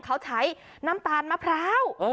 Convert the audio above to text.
เขาใช้น้ำตาลมะพร้าว